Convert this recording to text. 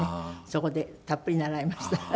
そこでたっぷり習いました。